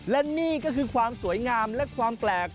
และนี่ก็คือความสวยงามและความแปลก